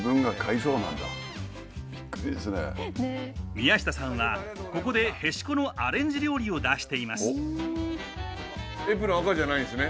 宮下さんはここでへしこのアレンジ料理を出しています。